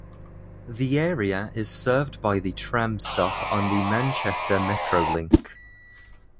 The area is served by the tram stop on the Manchester Metrolink.